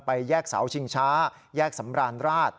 แยกเสาชิงช้าแยกสำราญราช